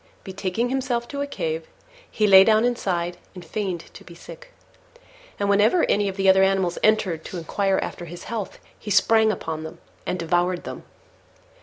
Betaking himself to a cave, he lay down inside and feigned to be sick: and whenever any of the other animals entered to inquire after his health, he sprang upon them and devoured them.